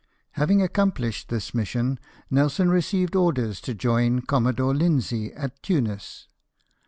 Having accomplished this mission, Nelson received orders to join Commodore Linzee at Tunis.